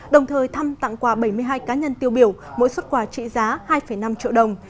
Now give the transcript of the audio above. đồng thời thăm tặng quà bảy mươi hai cá nhân tiêu biểu mỗi xuất quà trị giá hai năm triệu đồng